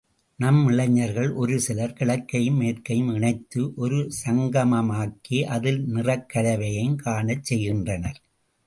நம் இளைஞர்கள் ஒரு சிலர் கிழக்கையும் மேற்கையும் இணைத்து ஒரு சங்கமமாக்கி அதில் நிறக் கலவையைக் காணவும் செய்கின்றனர்.